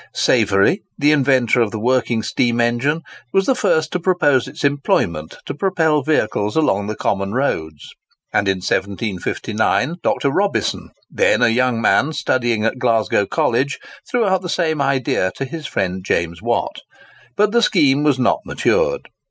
Savery, the inventor of the working steam engine, was the first to propose its employment to propel vehicles along the common roads; and in 1759 Dr. Robison, then a young man studying at Glasgow College, threw out the same idea to his friend James Watt; but the scheme was not matured.